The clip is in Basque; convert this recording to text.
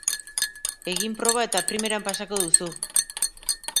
Egin proba eta primeran pasako duzu!